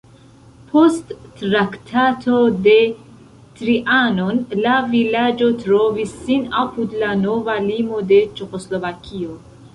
Post Traktato de Trianon la vilaĝo trovis sin apud la nova limo de Ĉeĥoslovakio.